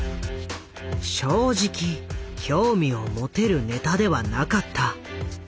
正直興味を持てるネタではなかった。